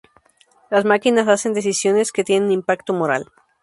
Las máquinas hacen decisiones que tienen impacto moral.